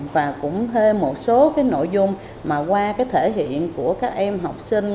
và cũng thêm một số cái nội dung mà qua cái thể hiện của các em học sinh